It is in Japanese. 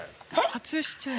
初出演。